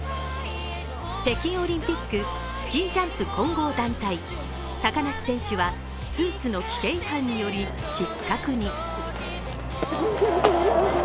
北京オリンピックスキージャンプ混合団体高梨選手はスーツの規定違反により失格に。